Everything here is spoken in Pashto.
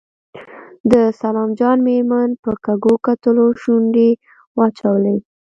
د سلام جان مېرمن په کږو کتلو شونډې واچولې.